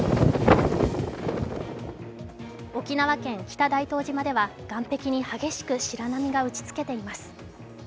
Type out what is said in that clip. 沖縄県北大東島では岸壁に激しく白波が打ちつけています。